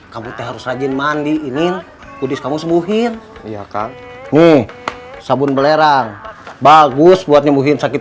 kamu terus rajin mandi ini kudis kamu sembuhin iya kan sabun belerang bagus buat nyembuhin sakit